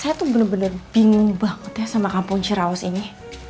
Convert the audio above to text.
saya tuh bener bener bingung banget ya sama kampung cirawas ini